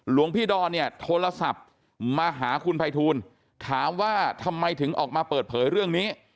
หลวงพี่ดอนเนี่ยโทรศัพท์มาหาคุณภัยทูลถามว่าทำไมถึงออกมาเปิดเผยเรื่องนี้